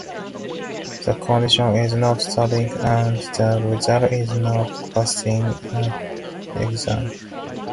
The condition is not studying and the result is not passing the exam.